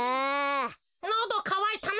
のどかわいたな。